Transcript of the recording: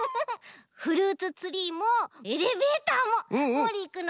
フルーツツリーもエレベーターももりいくんの